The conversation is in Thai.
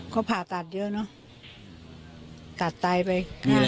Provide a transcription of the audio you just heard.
เขาผ่าตัดเยอะเนอะตัดไตไป